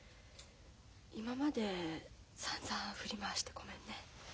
今までさんざん振り回してごめんね。